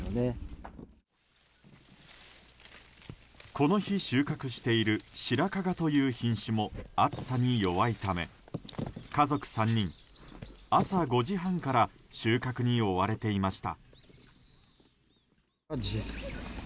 この日、収穫しているしらかがという品種も暑さに弱いため家族３人、朝５時半から収穫に追われていました。